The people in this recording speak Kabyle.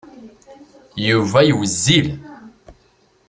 Yuba wezzil.